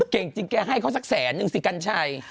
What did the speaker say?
เก่งจริงแกให้เขาสักแสนนึงสิกัญชัย